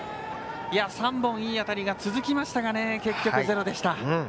３本、いい当たりが続きましたが結局、ゼロでした。